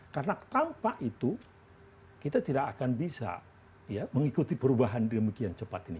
karena tanpa itu kita tidak akan bisa mengikuti perubahan demikian cepat ini